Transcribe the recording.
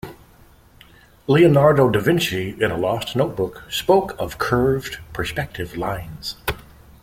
Leonardo da Vinci in a lost notebook spoke of curved perspective lines.